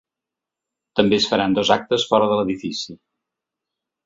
També es faran dos actes fora de l’edifici.